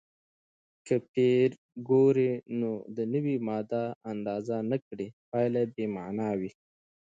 که پېیر کوري د نوې ماده اندازه نه کړي، پایله به بې معنا وي.